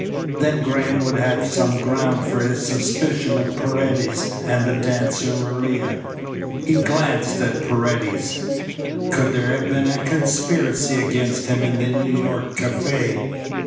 Then Graham would have some ground for his suspicion of Paredes and the dancer Maria. He glanced at Paredes. Could there have been a conspiracy against him in the New York cafe?